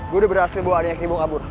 gue udah berhasil bawa adanya ke ibu kabur